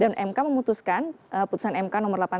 dan mk memutuskan putusan mk nomor delapan puluh satu